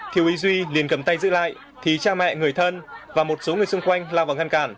thiếu ý duy liền cầm tay giữ lại thì cha mẹ người thân và một số người xung quanh lao vào ngăn cản